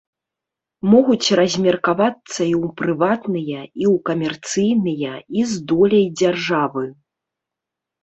Могуць размеркавацца і ў прыватныя, і ў камерцыйныя, і з доляй дзяржавы.